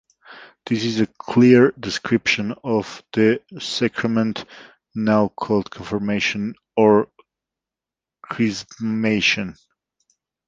This is a clear description of the sacrament now called confirmation or chrismation.